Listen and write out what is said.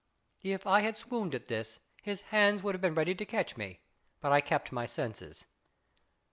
If I had swooned at this, his hands would have been ready to catch me ; but I kept my senses.